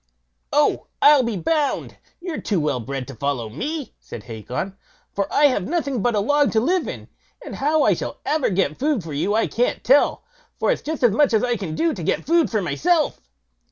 "Oh! I'll be bound you're too well bred to follow me", said Hacon, "for I have nothing but a log but to live in; and how I shall ever get food for you I can't tell, for it's just as much as I can do to get food for myself."